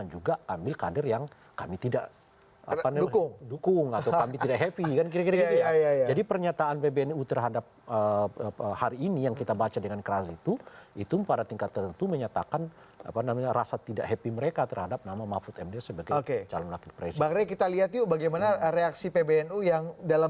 jelang penutupan pendaftaran